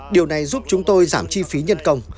điều này giúp chúng tôi giảm chi phí nhân công